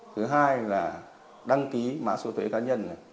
thứ hai là đăng ký mã số thuế cá nhân này